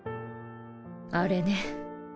あれね。